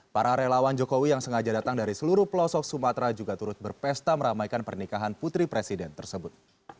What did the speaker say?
para relawan jokowi yang sengaja datang dari seluruh pelosok sumatera juga turut berpesta meramaikan pernikahan putri presiden tersebut